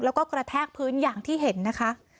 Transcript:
แล้วก็กระแทกพื้นอย่างที่เห็นนะคะ